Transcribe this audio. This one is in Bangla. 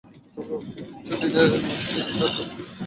তবে, অল্প কিছু দিনের মধ্যেই এটা তার উপযুক্ত স্থানে ফেরত যাবে।